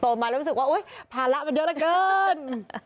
มาแล้วรู้สึกว่าอุ๊ยภาระมันเยอะเหลือเกิน